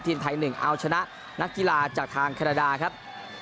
ทีมไทย๑เอาชนะนักกีฬาจากทางแคนาดาครับ